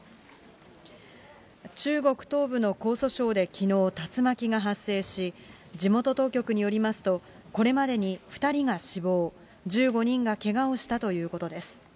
中国東部の江蘇省できのう、竜巻が発生し、地元当局によりますと、これまでに２人が死亡、１５人がけがをしたということです。